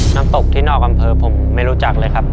น้ำตกที่นอกอำเภอผมไม่รู้จักเลยครับ